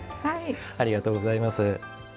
ありがとうございます。